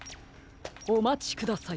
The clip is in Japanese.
おまちください。